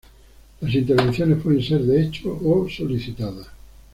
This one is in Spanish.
Las intervenciones pueden ser "de hecho" o "solicitada".